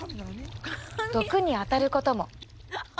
毒にあたることも。